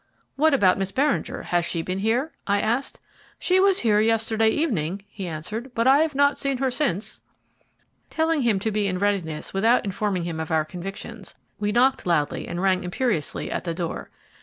"What about Miss Beringer? Has she been here?" I asked. "She was here yesterday evening," he answered, "but I've not seen her since." Telling him to be in readiness without informing him of our convictions, we knocked loudly and rang imperiously at the door.